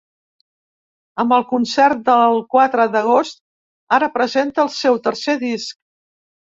Amb el concert del quatre d’agost ara presenta el seu tercer disc.